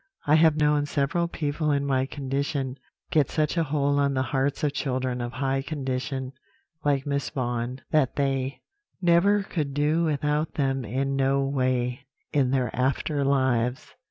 I have known several people in my condition get such a hold on the hearts of children of high condition, like Miss Vaughan, that they never could do without them in no way, in their after lives.